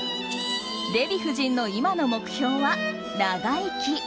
デヴィ夫人の今の目標は長生き。